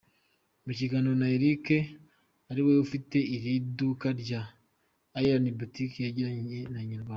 Mukiganiro na Eric ariwe ufite iri duka rya Ian Boutique yagiranye na inyarwanda.